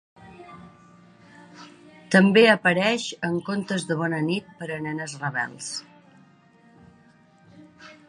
També apareix en "Contes de bona nit per a nenes rebels".